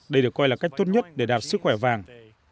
đây được coi là cách tốt nhất để đạt sức khỏe vàng